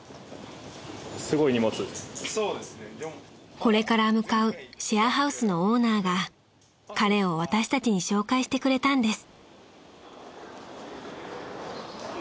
［これから向かうシェアハウスのオーナーが彼を私たちに紹介してくれたんです］